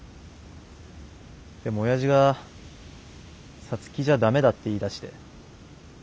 でも親父が皐月じゃダメだって言いだして。